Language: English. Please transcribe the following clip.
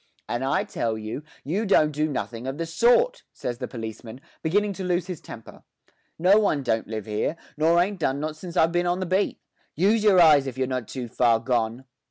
'And I tell you you don't do nothing of the sort,' says the policeman, beginning to lose his temper. 'No one don't live 'ere, nor ain't done not since I've bin on the beat. Use your eyes if you're not too far gone.'